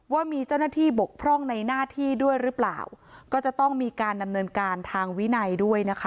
ว่ามีเจ้าหน้าที่บกพร่องในหน้าที่ด้วยหรือเปล่าก็จะต้องมีการดำเนินการทางวินัยด้วยนะคะ